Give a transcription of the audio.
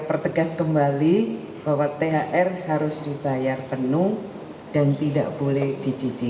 mengjelaskan bahwa thr harus di bayar penuh dan tidak boleh dicicil